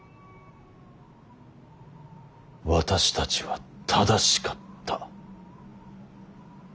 私たちは正しかった。